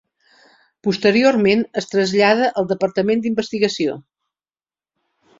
Posteriorment es trasllada al departament d'investigació.